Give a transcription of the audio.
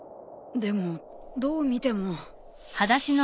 でもどう見ても。